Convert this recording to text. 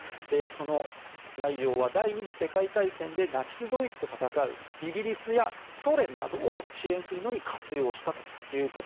その内容は第２次世界大戦でナチス・ドイツと戦うイギリスやソ連などを支援するのに活用したと。